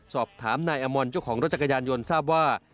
สอบถามนายอมรเจ้าของรถจักรยานยนต์ทราบว่า